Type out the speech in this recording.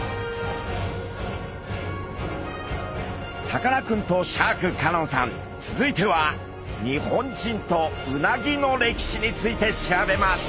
さかなクンとシャーク香音さん続いては日本人とうなぎの歴史について調べます。